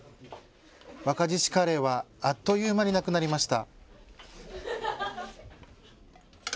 若獅子カレーはあっという間になくなりました。